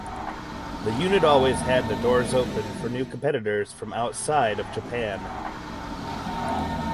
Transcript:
The unit always had their doors open for new competitors from outside of Japan.